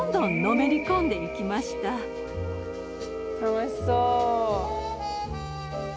楽しそう。